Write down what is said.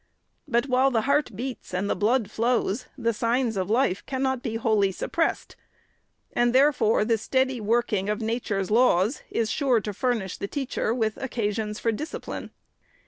But while the heart beats and the blood flows, the signs of life cannot be wholly suppressed ; and therefore the steady working of nature's laws is sure to furnish the teacher with occasions for discipline.